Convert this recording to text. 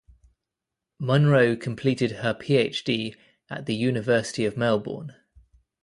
Munro completed her PhD at the University of Melbourne.